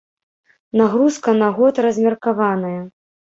Нагрузка на год размеркаваная.